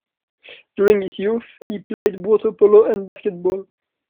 During his youth he played water polo and basketball.